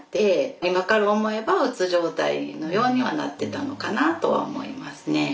今から思えばうつ状態のようにはなってたのかなとは思いますね。